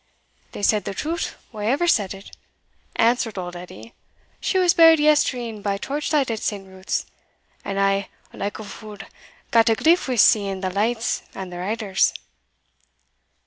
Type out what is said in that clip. "They said the truth whaever said it," answered old Edie; "she was buried yestreen by torch light at St. Ruth's, and I, like a fule, gat a gliff wi' seeing the lights and the riders."